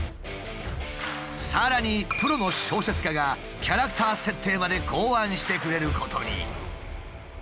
さらにプロの小説家がキャラクター設定まで考案してくれることに。